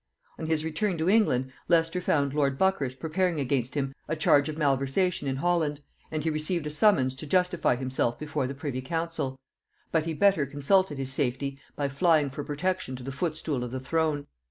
On his return to England, Leicester found lord Buckhurst preparing against him a charge of malversation in Holland, and he received a summons to justify himself before the privy council; but he better consulted his safety by flying for protection to the footstool of the throne.